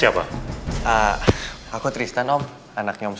ya emang aku ini marie several ini punya namanya